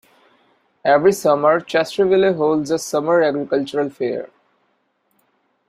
Every summer, Chesterville holds a summer agricultural fair.